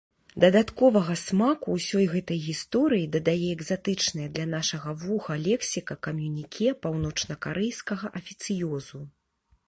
Дадатковага смаку ўсёй гэтай гісторыі дадае экзатычная для нашага вуха лексіка камюніке паўночнакарэйскага афіцыёзу.